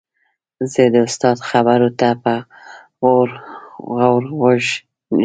زه د استاد خبرو ته په غور غوږ ږدم.